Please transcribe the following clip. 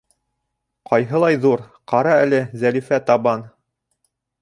— Ҡайһылай ҙур, ҡара әле, Зәлифә, табан.